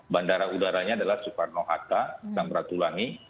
bandara udaranya adalah soekarno hatta samratulangi